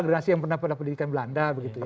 generasi yang pernah pada pendidikan belanda begitu ya